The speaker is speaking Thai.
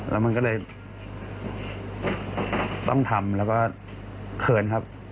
แล้วมันก็เลยต้องทำแล้วก็เขินครับ